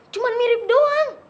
cuman mirip doang